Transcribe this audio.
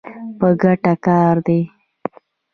په ګټه کار دی.